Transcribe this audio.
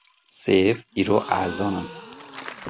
Sêv îro erzan in.